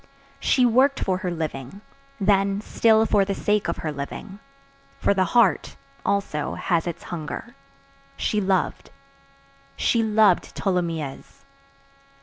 She worked for her living; then, still for the sake of her living,—for the heart, also, has its hunger,—she loved. She loved Tholomyès.